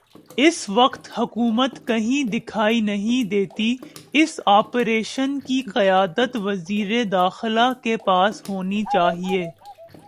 اس وقت حکومت کہیں دکھائی نہیں دیتی اس آپریشن کی قیادت وزیر داخلہ کے پاس ہونی چاہیے۔